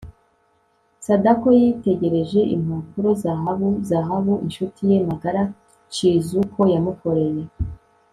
Sadako yitegereje impapuro zahabu zahabu inshuti ye magara Chizuko yamukoreye